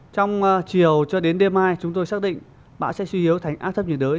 trong chiều cho đến đêm mai chúng tôi xác định bão sẽ suy yếu thành áp thấp nhiệt đới